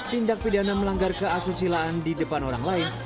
tindak pidana melanggar keasusilaan di depan orang lain